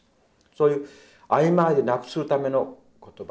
そういうあいまいでなくするための言葉。